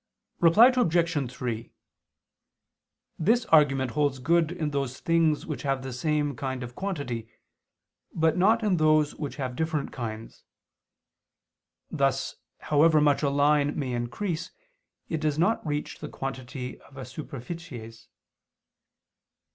Reply Obj. 3: This argument holds good in those things which have the same kind of quantity, but not in those which have different kinds: thus however much a line may increase it does not reach the quantity of a superficies.